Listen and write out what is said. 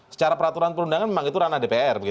secara peraturan perundangan memang itu ranah dpr